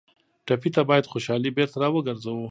ټپي ته باید خوشالي بېرته راوګرځوو.